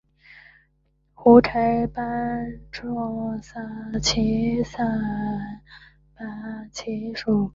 柴胡状斑膜芹是伞形科斑膜芹属的植物。